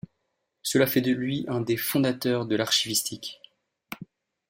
Cela fait de lui un des fondateurs de l'archivistique.